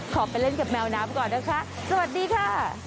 ไปเล่นกับแมวน้ำก่อนนะคะสวัสดีค่ะ